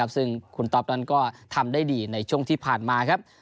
ซึ่งคุณต๊อปนั้นก็ทำได้ดีในช่วงที่ผ่านมาครับ